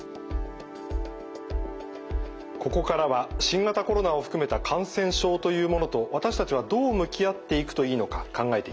ここからは新型コロナを含めた感染症というものと私たちはどう向き合っていくといいのか考えていきます。